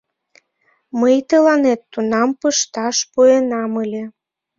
— Мый тыланет тунам пышташ пуэнам ыле.